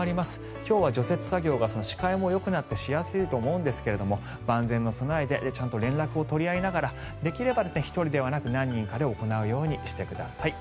今日は除雪作業が視界もよくなってしやすいと思いますが万全の備えで連絡を取りながらできれば１人ではなく何人かで行うようにしてください。